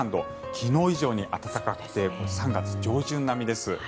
昨日以上に暖かくて３月上旬並みです。